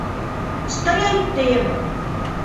Стоять, тием!